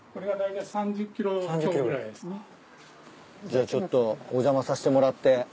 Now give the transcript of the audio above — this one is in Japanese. じゃちょっとお邪魔させてもらって。